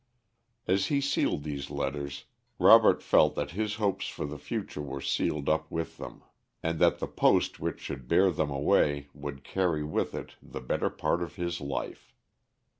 As he sealed these letters Robert felt that his hopes for the future were sealed up with them, and that the post which should bear them away would carry with it the better part of his life.